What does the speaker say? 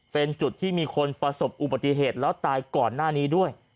เป็นจุดที่มีคนประสบอุบัติเหตุแล้วตายก่อนหน้านี้ด้วย